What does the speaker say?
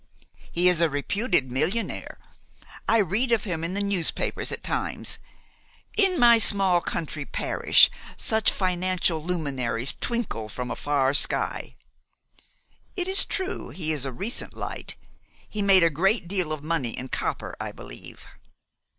"He is a reputed millionaire. I read of him in the newspapers at times. In my small country parish such financial luminaries twinkle from a far sky. It is true he is a recent light. He made a great deal of money in copper, I believe."